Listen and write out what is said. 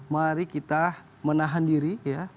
mari kita menahan diri ya